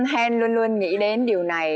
hèn luôn luôn nghĩ đến điều này